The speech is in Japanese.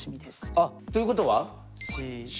あっということはＣ？